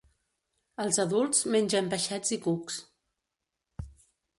Els adults mengen peixets i cucs.